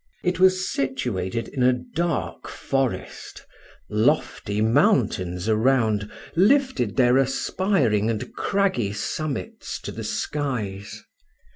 It was situated in a dark forest lofty mountains around lifted their aspiring and craggy summits to the skies.